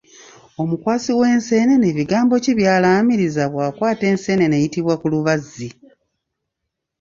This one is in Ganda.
Omukwasi w’enseenene bigambo ki byalamiriza bwakwaata enseenene eyitibwa kulubazzi?